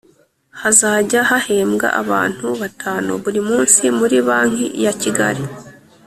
Hazajya hahembwa abantu batanu buri munsi muri banki ya Kigali